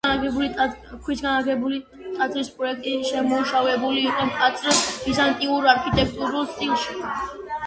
ქვისგან აგებული ტაძრის პროექტი შემუშავებული იყო მკაცრ ბიზანტიურ არქიტექტურულ სტილში.